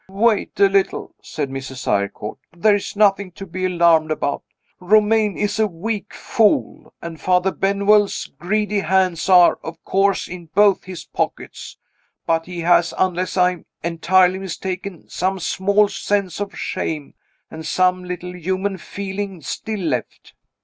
"Wait a little," said Mrs. Eyrecourt. "There is nothing to be alarmed about. Romayne is a weak fool; and Father Benwell's greedy hands are (of course) in both his pockets. But he has, unless I am entirely mistaken, some small sense of shame, and some little human feeling still left.